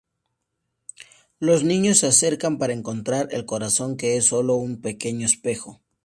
Los niños se acercan para encontrar el corazón, que es sólo un pequeño espejo.